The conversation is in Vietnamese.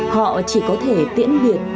họ chỉ có thể tiễn biệt